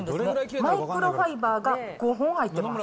マイクロファイバーが５本入っています。